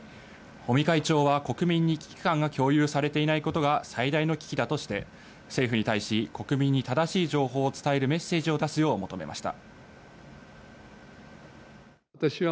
尾身会長は国民に危機感が共有されていないことが最大の危機だとして政府に対し国民に正しい情報を伝えるメッセージを出すよう求めました。